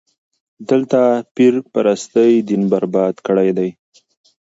دلته پير پرستي دين برباد کړی دی.